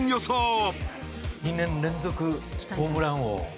２年連続ホームラン王。